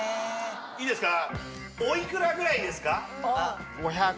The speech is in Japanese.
いいですか？